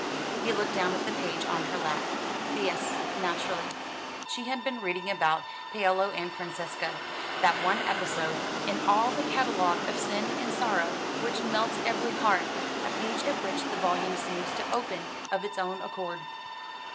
He looked down at the page on her lap. "Yes, naturally." She had been reading about Paolo and Francesca that one episode, in all the catalogue of sin and sorrow, which melts every heart; a page at which the volume seems to open of its own accord.